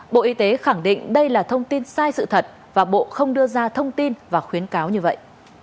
bộ y tế khẳng định đây là thông tin sai sự thật và bộ không đưa ra thông tin và khuyến cáo như vậy